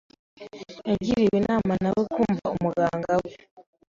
Yagiriwe inama na we kumva umuganga we.